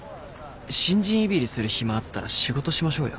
新人いびりする暇あったら仕事しましょうよ。